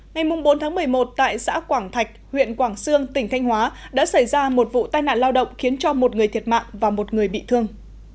ngày bốn một mươi một tại xã quảng thạch huyện quảng sương tỉnh thanh hóa đã xảy ra một vụ tai nạn lao động khiến cho một người thiệt mạng và một người bị thương